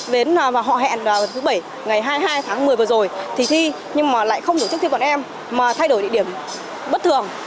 đến họ hẹn vào thứ bảy ngày hai mươi hai tháng một mươi vừa rồi thì thi nhưng mà lại không tổ chức thi bọn em mà thay đổi địa điểm bất thường